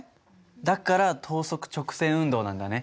だから等速直線運動なんだね。